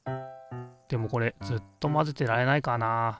でもこれずっと混ぜてられないからな。